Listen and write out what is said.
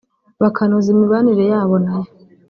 bakanoza imibanire yabo nayo